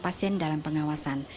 pasien dalam pengawasan